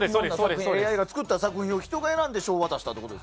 ＡＩが作った作品を人が選んで賞を渡したってこと。